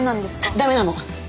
ダメなの！